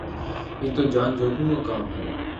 یہ تو جان جو کھوں کا کام ہے